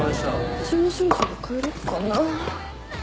私もそろそろ帰ろっかなあ。